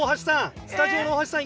スタジオの大橋さん。